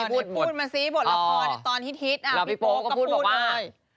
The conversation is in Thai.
พูดมาซิบทละครตอนฮิตพี่โป๊ก็พูดเลย